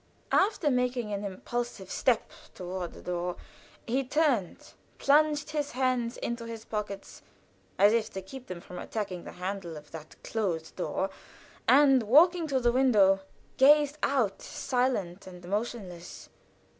After making an impulsive step toward the door he turned, plunged his hands into his pockets as if to keep them from attacking the handle of that closed door, and walking to the window, gazed out, silent and motionless.